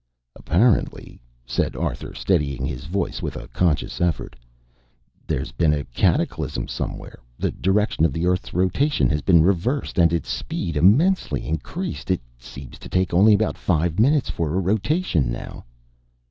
"Apparently," said Arthur, steadying his voice with a conscious effort, "there's been a cataclysm somewhere, the direction of the earth's rotation has been reversed, and its speed immensely increased. It seems to take only about five minutes for a rotation now."